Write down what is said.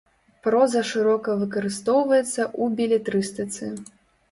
Проза шырока выкарыстоўваецца ў белетрыстыцы.